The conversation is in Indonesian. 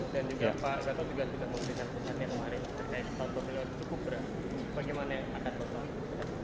jadi tahun ke tiga cukup berat bagaimana anda menurut pak